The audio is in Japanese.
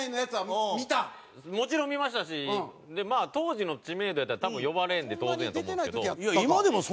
もちろん見ましたしまあ当時の知名度やったら多分呼ばれんで当然やと思うんですけど。